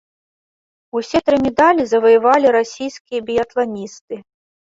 Усе тры медалі заваявалі расійскія біятланісты.